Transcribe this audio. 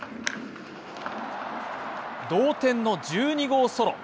同点の１２号ソロ。